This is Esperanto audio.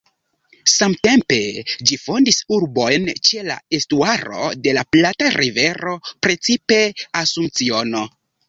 Samtempe ĝi fondis urbojn ĉe la estuaro de la Plata-rivero, precipe Asunciono.